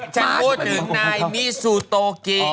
พูดถึงนายมิซูโตกิ